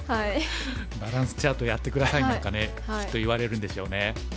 「バランスチャートやって下さい」なんかねきっと言われるんでしょうね。